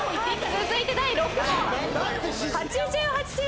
続いて第７問。